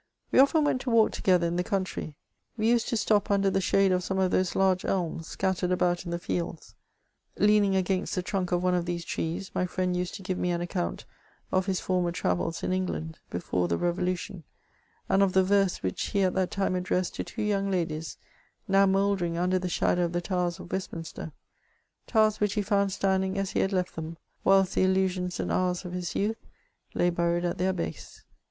411 We ofiten went to walk together in the country ; we used to stop under the shade of some of those large elms, scattered about in the fields. Leaning against the trunk of one of these trees, my friend used to give me an account of his former travels in England, before the Revolution, and of the verses which he at that time addressed to two young ladieis, now mouldering under the shadow of the towers of Westminister,— ji, towers which he found standing as he had left them, whilst the illusions and hours of his youth lay buried at their base.